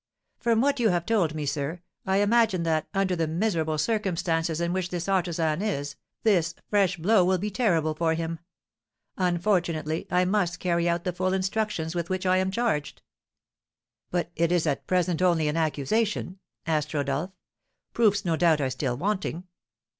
"From what you have told me, sir, I imagine that, under the miserable circumstances in which this artisan is, this fresh blow will be terrible for him. Unfortunately, I must carry out the full instructions with which I am charged." "But it is at present only an accusation?" asked Rodolph. "Proofs, no doubt, are still wanting?"